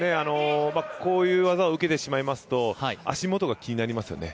こういう技を受けてしまいますと、足元が気になりますよね。